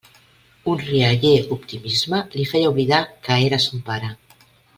Un rialler optimisme li feia oblidar que era son pare.